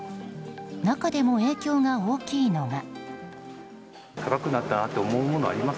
中でも影響が大きいのが。